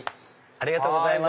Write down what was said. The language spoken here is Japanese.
ありがとうございます。